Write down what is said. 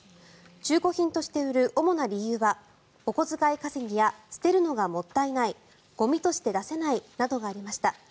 中古品として売る主な理由はお小遣い稼ぎや捨てるのがもったいないゴミとして出せないなどがありました。